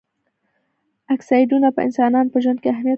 اکسایډونه په انسانانو په ژوند کې اهمیت لري.